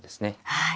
はい。